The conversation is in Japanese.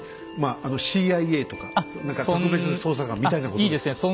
あのまあＣＩＡとか何か特別捜査官みたいなことですか。